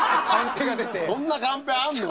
そんなカンペあんの？